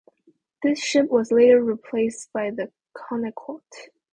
This ship was later replaced by the "Connetquot".